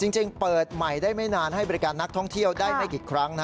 จริงเปิดใหม่ได้ไม่นานให้บริการนักท่องเที่ยวได้ไม่กี่ครั้งนะ